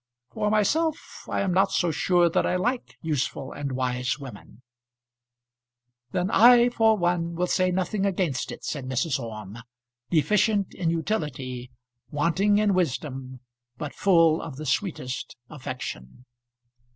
For myself I am not so sure that I like useful and wise women. "Then I for one will say nothing against it," said Mrs. Orme, deficient in utility, wanting in wisdom, but full of the sweetest affection.